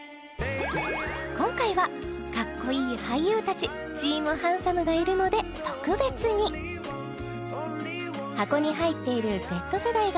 今回はかっこいい俳優たちチーム・ハンサム！がいるので箱に入っているＺ世代が選ぶ